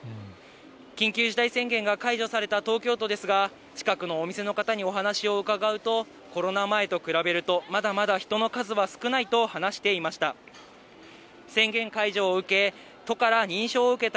緊急事態宣言が解除された東京都ですが、近くのお店の方にお話を伺うと、コロナ前と比べると、まだまだ人の数は少ないと話していました。